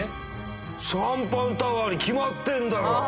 シャンパンタワーに決まってんだろ。